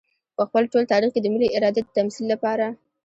په خپل ټول تاريخ کې د ملي ارادې د تمثيل لپاره.